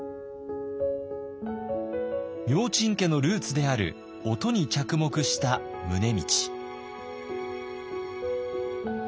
明珍家のルーツである音に着目した宗理。